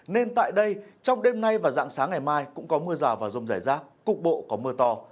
nên tại đây trong đêm nay và dạng sáng ngày mai cũng có mưa rào và rông rải rác cục bộ có mưa to